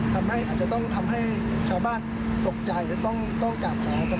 ทำให้อาจจะต้องทำให้ชาวบ้านตกใจหรือต้องต้องการแผนประทานโทษด้วยกับคน